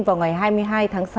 vào ngày hai mươi hai tháng sáu